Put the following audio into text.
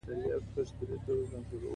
دغه مکتب د پان اسلامیزم د عقایدو مرکز شو.